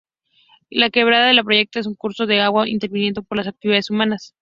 La Quebrada la Boyera es un curso de agua intervenido por las actividades humanas.